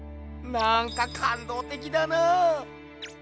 なんかかんどうてきだなぁ！